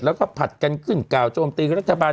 แล้วก็ผัดกันขึ้นกล่าวโจมตีกับรัฐบาล